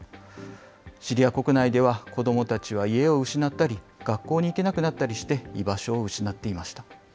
シリア国内では、子どもたちは家を失ったり、学校に行けなくなったりして、居場所を失っていました。